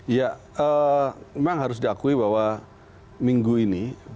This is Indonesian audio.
ya memang harus diakui bahwa minggu ini